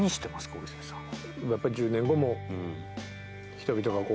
大泉さんは。